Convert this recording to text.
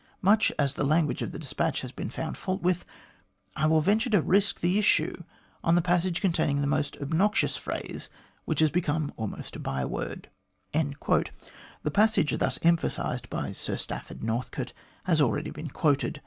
Much as the language of the despatch has been found fault with, I will venture to risk the . issue on the passage containing that obnoxious phrase which has become almost a bye word." The passage thus emphasised by Sir Stafford Northcote has already been quoted.